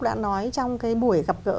đã nói trong cái buổi gặp gỡ